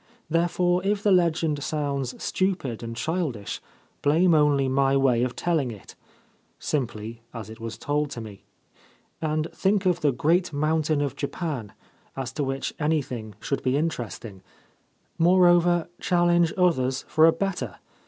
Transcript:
Therefore, if the legend sounds stupid and childish, blame only my way of telling it (simply, as it was told to me), and think of the Great Mountain of Japan, as to which anything should be interesting ; moreover, challenge others for a better.